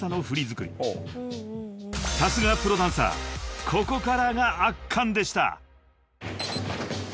［さすがプロダンサーここからが圧巻でした］